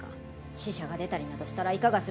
死者が出たりなどしたらいかがするつもりじゃ！